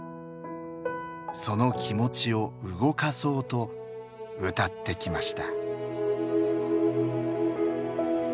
その気持ちを動かそうと歌ってきました。